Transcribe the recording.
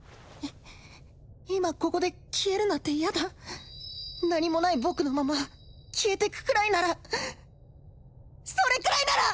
今ここで消えるなんて嫌だ何もない僕のまま消えてくくらいならそれくらいなら！